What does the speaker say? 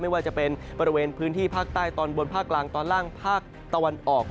ไม่ว่าจะเป็นบริเวณพื้นที่ภาคใต้ตอนบนภาคกลางตอนล่างภาคตะวันออก